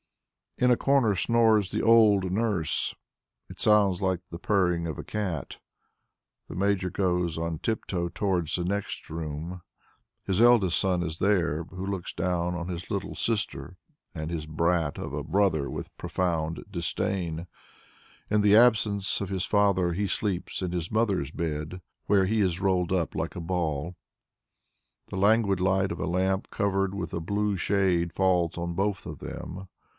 In a corner snores the old nurse; it sounds like the purring of a cat. The Major goes on tip toe towards the next room. His eldest son is there who looks down on his little sister and his brat of a brother with profound disdain. In the absence of his father he sleeps in his mother's bed, where he is rolled up like a ball. The languid light of a lamp covered with a blue shade falls on both of them.